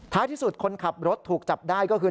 ที่สุดคนขับรถถูกจับได้ก็คือ